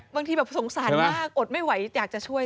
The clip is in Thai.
บางทีแบบสงสารมากอดไม่ไหวอยากจะช่วย